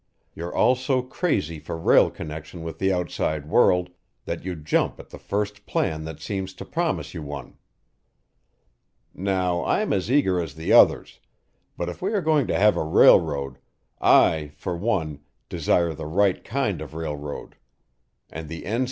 You're all so crazy for rail connection with the outside world that you jump at the first plan that seems to promise you one. Now, I'm as eager as the others, but if we are going to have a railroad, I, for one, desire the right kind of railroad; and the N.